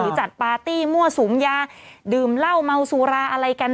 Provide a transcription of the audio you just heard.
จัดปาร์ตี้มั่วสุมยาดื่มเหล้าเมาสุราอะไรกัน